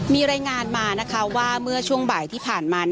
มีรายงานมาว่าเมื่อช่วงบ่ายที่ผ่านมา